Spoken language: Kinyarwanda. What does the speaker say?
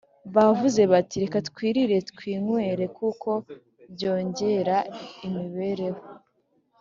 Bavuze bati Reka twirire twinywere kuko byongera imibereho.